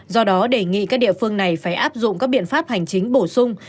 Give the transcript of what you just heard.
do đó đề nghị các địa phương này phải áp dụng các biện pháp hành chính bổ sung